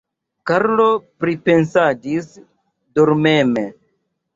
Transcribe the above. Karlo pripensadis dormeme.